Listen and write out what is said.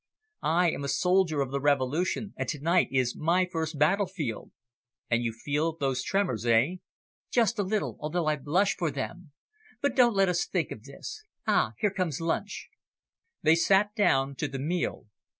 I am a soldier of the Revolution, and to night is my first battlefield." "And you feel those tremors, eh?" "Just a little, although I blush for them. But don't let us think of this. Ah, here comes lunch." They sat down to the meal.